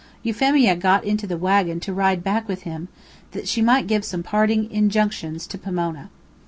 Euphemia got into the wagon to ride back with him, that she might give some parting injunctions to Pomona.